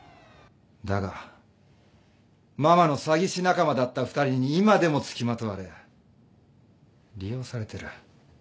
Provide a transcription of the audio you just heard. だがママの詐欺師仲間だった２人に今でも付きまとわれ利用されてる。